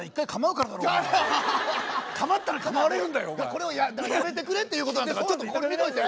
これをやめてくれっていうことなんだからちょっとここで見といて。